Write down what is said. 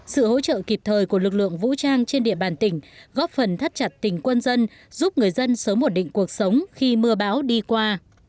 sự hỗ trợ kịp thời của lực lượng vũ trang trên địa bàn tỉnh góp phần thắt chặt tình quân dân giúp người dân sớm ổn định cuộc sống khi mưa bão đi qua